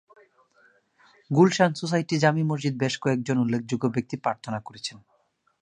Gulshan society জামে মসজিদে বেশ কয়েকজন উল্লেখযোগ্য ব্যক্তি প্রার্থনা করেছেন।